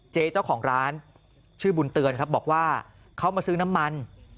เจ๊เจ้าของร้านชื่อบุญเตือนครับบอกว่าเขามาซื้อน้ำมัน